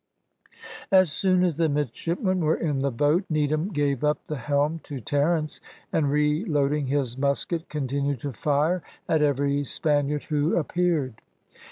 As soon as the midshipmen were in the boat, Needham gave up the helm to Terence, and, reloading his musket, continued to fire at every Spaniard who appeared.